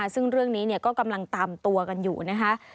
ซึ่งเรื่องนี้ก็กำลังตามตัวกันอยู่นะคะ